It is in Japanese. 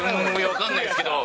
わかんないんですけど。